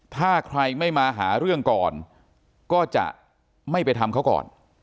ถ้าใครไม่มาหาเรื่องก่อนก็จะไม่ไปทำเขาก่อน